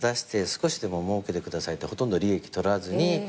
少しでももうけてくださいってほとんど利益取らずに。